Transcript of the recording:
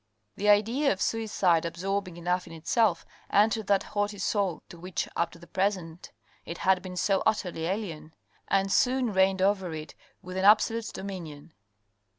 The idea of suicide, absorbing enough in itself, entered that haughty soul (to which, up to the present it had been so utterly alien), and soon reigned over it with an absolute dominion.